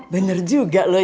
bener juga lo ya